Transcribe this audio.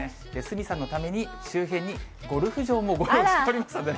鷲見さんのために、周辺にゴルフ場もご用意しておりますので。